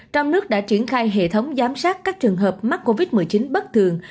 trong nước đã triển khai hệ thống giám sát các trường hợp mắc covid một mươi chín bất thường